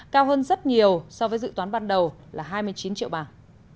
cao hơn rất nhiều so với dự toán ban đầu là hai mươi chín triệu bảng